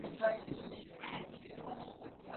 邦维拉尔的总面积为平方公里。